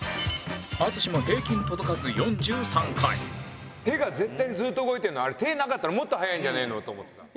淳も平均届かず４３回手が絶対にずっと動いてるのあれ手なかったらもっと速いんじゃねえの？と思ってたの。